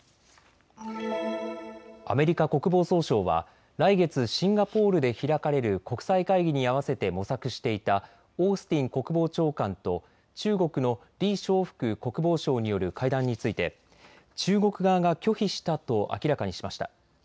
アメリカ国防総省は来月シンガポールで開かれる国際会議に合わせて模索していたオースティン国防長官と中国の李尚福国防相による会談について中国側が拒否したと明らかにしました。